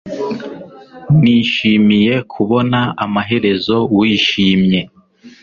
Nishimiye kubona amaherezo wishimye